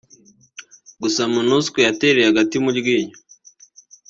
Gusa Monusco yatereye agati mu ryinyo